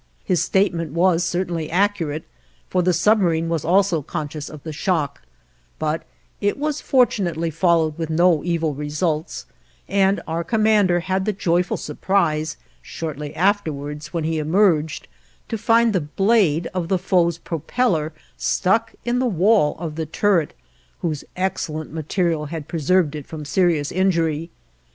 His statement was certainly accurate, for the submarine was also conscious of the shock, but it was fortunately followed with no evil results, and our commander had the joyful surprise, shortly afterwards, when he emerged, to find the blade of the foe's propeller stuck in the wall of the turret, whose excellent material had preserved it from serious injury.